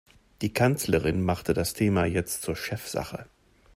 Die Kanzlerin machte das Thema jetzt zur Chefsache.